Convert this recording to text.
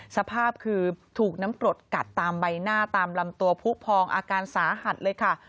สภาพคือถูกน้ำกรดกัดตามใบหน้าตามลำตัวผู้พองอาการสาหัสเลยค่ะ